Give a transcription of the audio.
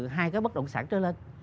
hai cái bất động sản trở lên